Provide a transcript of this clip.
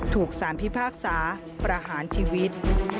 ถูกสารพิพากษาประหารชีวิต